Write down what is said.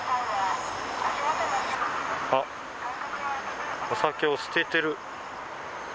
あっ、お酒を捨ててる。